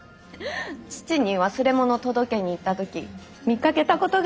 父に忘れ物届けに行った時見かけたことがあるの。